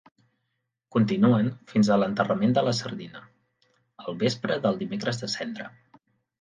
Continuen fins a l'enterrament de la sardina, al vespre del Dimecres de Cendra.